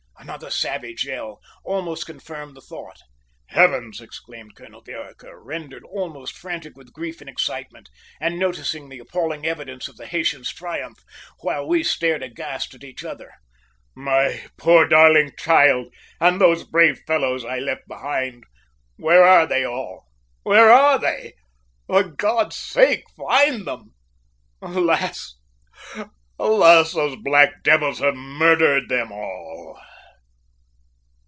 Another savage yell almost confirmed the thought. "Heavens!" exclaimed Colonel Vereker, rendered almost frantic with grief and excitement, and noticing the appalling evidences of the Haytians' triumph, while we stared aghast at each other. "My poor darling child, and those brave fellows I left behind, where are they all; where are they? For God's sake find them! Alas! alas! those black devils have murdered them all."